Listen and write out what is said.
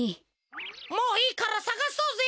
もういいからさがそうぜ！